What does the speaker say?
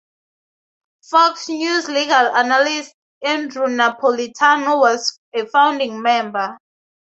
Fox News legal analyst Andrew Napolitano was a founding member.